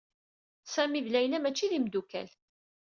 Sami d Layla mačči ad imdukkal.